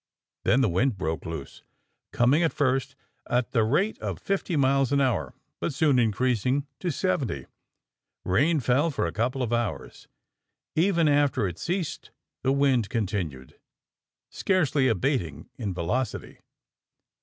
Then the wind broke loose, coming at first at the rate of fifty miles an hour, but soon increasing to seventy. Eain fell for a couple of hours. Even after it ceased the wind continued, scarcely abating in velocity.